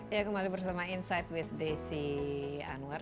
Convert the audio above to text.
ya kembali bersama insight with desi anwar